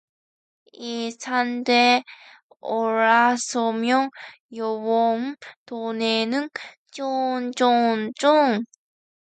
이 산등에 올라서면 용연 동네는 저렇게 뻔히 들여다볼 수가 있다.